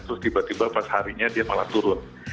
terus tiba tiba pas harinya dia malah turun